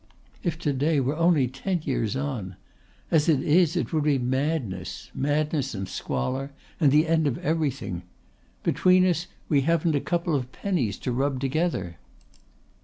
"If to day were only ten years on ... As it is it would be madness ... madness and squalor and the end of everything ... Between us we haven't a couple of pennies to rub together